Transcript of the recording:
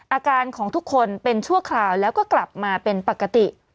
อาการของทุกคนเป็นชั่วคราวแล้วก็กลับมาเป็นปกติ